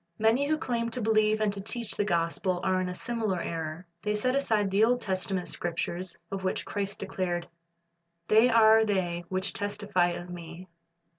Many who claim to believe and to teach the gospel are in a similar error. They set aside the Old Testament Scriptures, of which Christ declared, "They are they which testify of Me."